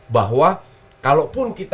bahwa kalau pun kita